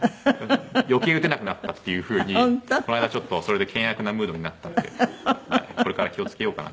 余計打てなくなったっていう風にこの間ちょっとそれで険悪なムードになったんでこれから気を付けようかなって。